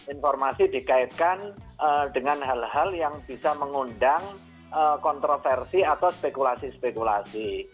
informasi dikaitkan dengan hal hal yang bisa mengundang kontroversi atau spekulasi spekulasi